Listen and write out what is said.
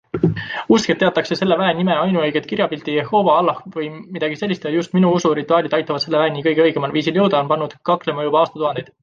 Usk, et teatakse selle väe nime ainuõiget kirjapilti - Jehoova, Allah vms ja just minu usu rituaalid aitavad selle väeni kõige õigemal viisil jõuda, on pannud kaklema juba aastatuhandeid.